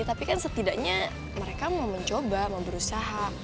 tapi kan setidaknya mereka mau mencoba mau berusaha